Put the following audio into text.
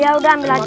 iya udah ambil aja